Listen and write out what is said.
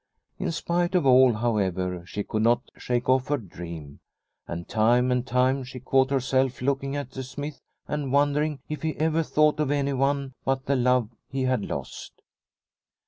In spite of all, however, she could not shake off her dream, and time after time she caught herself looking at the smith and wondering if he ever thought of anyone but the love he had lost.